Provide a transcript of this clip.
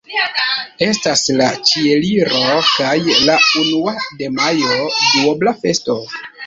Estas la Ĉieliro kaj la unua de majo: duobla festo.